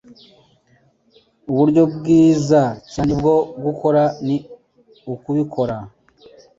Uburyo bwiza cyane bwo gukora ni ukubikora.”